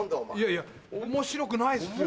いや面白くないっすよ。